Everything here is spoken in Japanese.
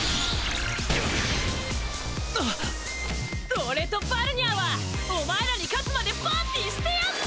俺とバルニャーはお前らに勝つまでパーティしてやんぜ！